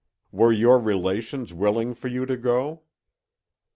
"Were your relations willing for you to go?"